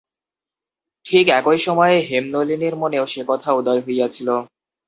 ঠিক একই সময়ে হেমনলিনীর মনেও সে কথা উদয় হইয়াছিল।